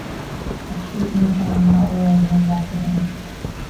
A street in the town of Mount Royal is named after him.